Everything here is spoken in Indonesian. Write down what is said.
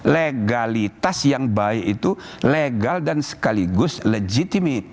legalitas yang baik itu legal dan sekaligus legitimate